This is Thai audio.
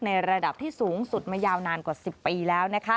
ในระดับที่สูงสุดมายาวนานกว่า๑๐ปีแล้ว